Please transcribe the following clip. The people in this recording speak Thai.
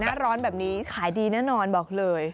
หน้าร้อนแบบนี้ขายดีแน่นอนบอกเลย